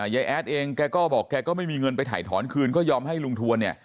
แอดเองแกก็บอกแกก็ไม่มีเงินไปถ่ายถอนคืนก็ยอมให้ลุงทวนเนี่ย